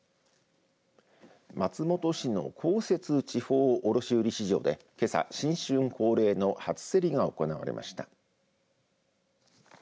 松本市の公設市場卸売市場でけさ、新春恒例の初競りが行われました。